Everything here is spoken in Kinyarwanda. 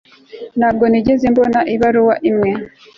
ntabwo nigeze mbona ibaruwa imwe